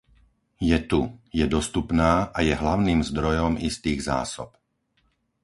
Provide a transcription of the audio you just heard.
Je tu, je dostupná a je hlavným zdrojom istých zásob.